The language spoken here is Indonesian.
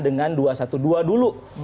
dengan dua ratus dua belas dulu